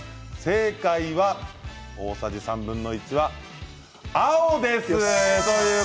正解は大さじ３分の１は青です。